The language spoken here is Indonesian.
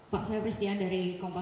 pak saya pristian dari kota kota